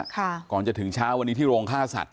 ก่อนจะถึงเช้าวันนี้ที่โรงฆ่าสัตว